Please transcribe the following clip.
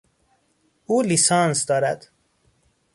او لیسانس دارد.